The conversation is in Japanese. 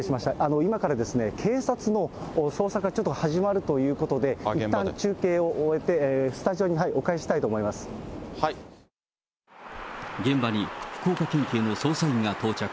今から警察の捜査がちょっと始まるということで、いったん中継を終えて、スタジオにお返ししたい現場に福岡県警の捜査員が到着。